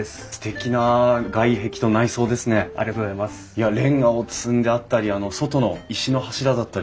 いやレンガを積んであったり外の石の柱だったり。